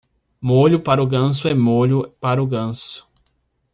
Molho para o ganso é molho para o ganso.